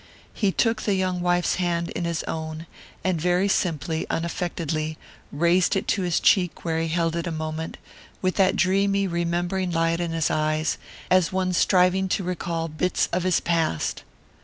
He took the young wife's hand in both his own, and very simply, unaffectedly, raised it to his cheek where he held it a moment, with that dreamy, remembering light in his eyes, as of one striving to recall bits of his past.